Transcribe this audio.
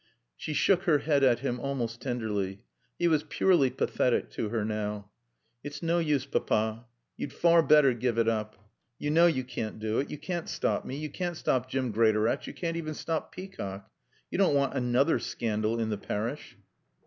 She shook her head at him almost tenderly. He was purely pathetic to her now. "It's no use, Papa. You'd far better give it up. You know you can't do it. You can't stop me. You can't stop Jim Greatorex. You can't even stop Peacock. You don't want another scandal in the parish."